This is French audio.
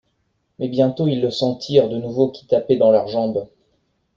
Mais, bientôt, ils le sentirent de nouveau qui tapait dans leurs jambes.